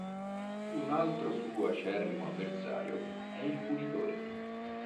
Un altro suo acerrimo avversario è il Punitore.